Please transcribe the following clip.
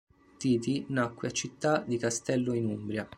Titi nacque a Città di Castello in Umbria.